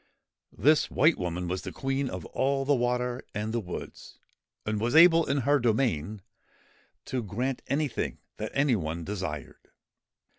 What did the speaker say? This White Woman was the Queen of all the water and the woods, and was able, in her domain, to grant anything that any one desired.